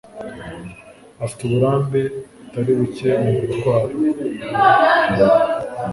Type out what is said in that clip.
Afite uburambe butari buke mu gutwara.